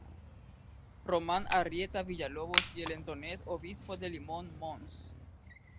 Román Arrieta Villalobos y el entones Obispo de Limón Mons.